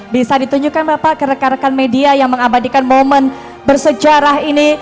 bisa ditunjukkan bapak kerek kerek media yang mengabadikan momen bersejarah ini